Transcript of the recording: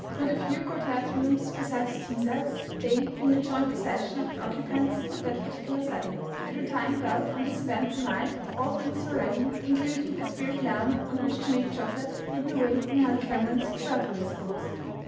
Not a few quartette rooms possessed tea sets, they being the joint possession of the occupants of that particular study. At retiring bell on this eventful night all things were ready, including a spirit lamp on which to make chocolate, hidden away in Helen Cameron's shirt waist box.